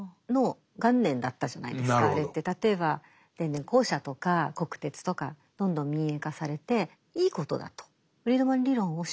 例えば電電公社とか国鉄とかどんどん民営化されていいことだとフリードマン理論を信じていた。